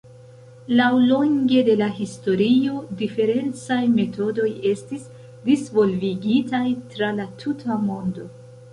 Laŭlonge de la historio, diferencaj metodoj estis disvolvigitaj tra la tuta mondo.